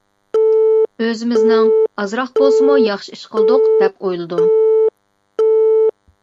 ئۆزىمىزنىڭ ئازراق بولسىمۇ ياخشى ئىش قىلدۇق دەپ ئويلىدىم.